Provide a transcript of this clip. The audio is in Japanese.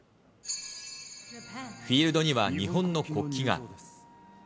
フィールドには日本の国旗が。